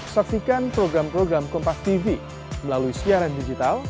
saksikan program program kompastv melalui siaran digital